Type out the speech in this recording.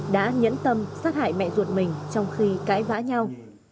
đã nhẫn tâm sát hại mẹ ruột mình trong khi cãi vã nhau